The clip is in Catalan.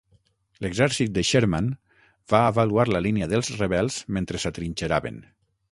L'exèrcit de Sherman va avaluar la línia dels Rebels mentre s'atrinxeraven.